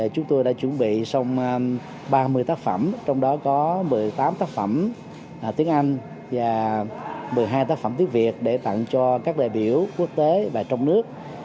chúng tôi đã chuẩn bị xong ba mươi tác phẩm trong đó có một mươi tám tác phẩm tiếng anh và một mươi hai tác phẩm tiếng việt để tặng cho các đại biểu quốc tế và trong nước